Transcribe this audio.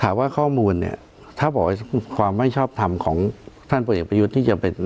ถามว่าข้อมูลนี้ถ้าบอกไว้ความไม่ชอบทำของท่านประโยชน์ที่จะเป็นนายก